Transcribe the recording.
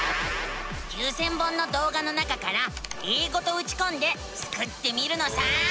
９，０００本のどうがの中から「英語」とうちこんでスクってみるのさ！